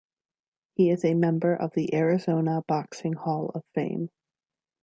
He is a member of the Arizona Boxing Hall of Fame.